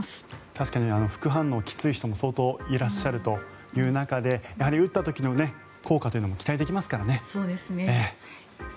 確かに副反応、きつい人も相当いらっしゃるという中でやはり打った時の効果というのも期待できますからね。